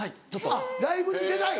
あっライブに出たい。